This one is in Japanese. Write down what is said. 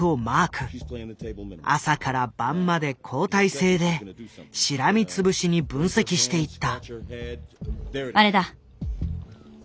朝から晩まで交代制でしらみつぶしに分析していった。